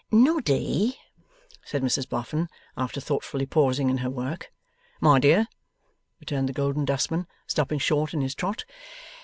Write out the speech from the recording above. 'Noddy,' said Mrs Boffin, after thoughtfully pausing in her work. 'My dear,' returned the Golden Dustman, stopping short in his trot.